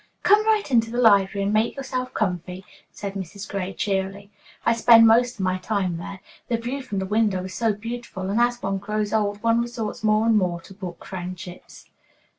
"Come right into the library and make yourself comfy," cried Mrs. Gray cheerily. "I spend most of my time there. The view from the windows is so beautiful, and as one grows old, one resorts more and more to book friendships."